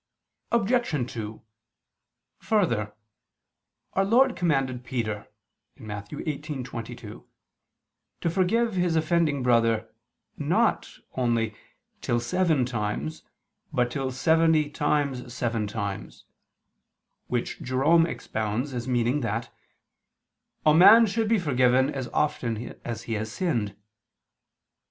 Obj. 2: Further, Our Lord commanded Peter (Matt. 18:22) to forgive his offending brother "not" only "till seven times, but till seventy times seven times," which Jerome expounds as meaning that "a man should be forgiven, as often as he has sinned."